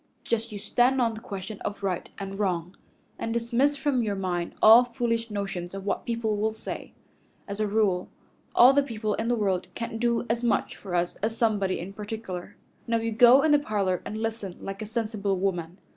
Just you stand on the question of right and wrong, and dismiss from your mind all foolish notions of what people will say. As a rule, all the people in the world can't do as much for us as somebody in particular. Now you go in the parlor and listen like a sensible woman.